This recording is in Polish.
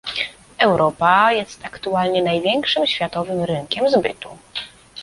Europa jest aktualnie największym światowym rynkiem zbytu